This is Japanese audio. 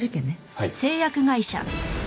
はい。